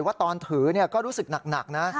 ว่าตอนถือก็รู้สึกหนักนะ